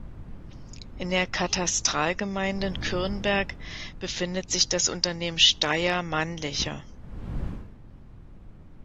In der Katastralgemeinde Kürnberg befindet sich das Unternehmen Steyr Mannlicher.